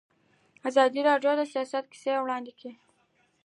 ازادي راډیو د سیاست کیسې وړاندې کړي.